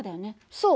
そう。